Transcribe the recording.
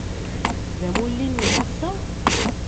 D amulli-nnem ass-a?